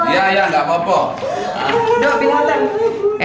ya ya nggak apa apa